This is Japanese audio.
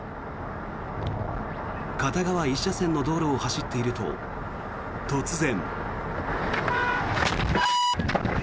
片側１車線の道路を走っていると突然。